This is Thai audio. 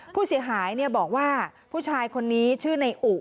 ผู้เสียหายบอกว่าผู้ชายคนนี้ชื่อในอุ